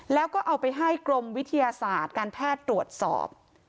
แล้วก็เอาไปให้กรมวิทยาศาสตร์การแพทย์ตรวจสอบ